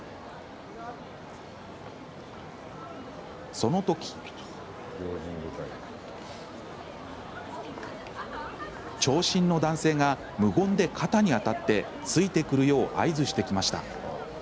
その時長身の男性が無言で肩に当たってついて来るよう合図してきました。